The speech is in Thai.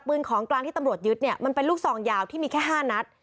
ของกลางที่ตำรวจยึดเนี่ยมันเป็นลูกซองยาวที่มีแค่๕นัด